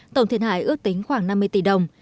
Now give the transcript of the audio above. tổng thiệt hại ước tính khoảng năm mươi tỷ đồng